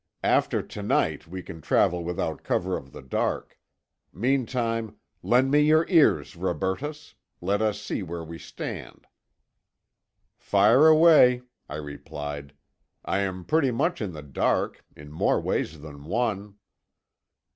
After to night we can travel without cover of the dark. Meantime, lend me your ears, Robertus. Let us see where we stand." "Fire away," I replied. "I am pretty much in the dark—in more ways than one."